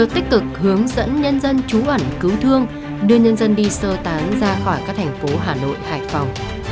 tích cực hướng dẫn nhân dân trú ẩn cứu thương đưa nhân dân đi sơ tán ra khỏi các thành phố hà nội hải phòng